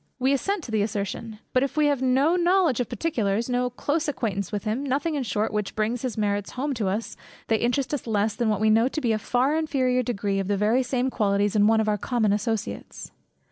We assent to the assertion. But if we have no knowledge of particulars, no close acquaintance with him, nothing in short which brings his merits home to us, they interest us less than what we know to be a far inferior degree of the very same qualities in one of our common associates.